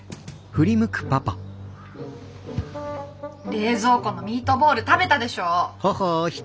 ・冷蔵庫のミートボール食べたでしょ！？